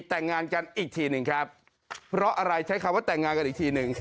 แต่งงานกันอีกทีหนึ่งครับเพราะอะไรใช้คำว่าแต่งงานกันอีกทีหนึ่ง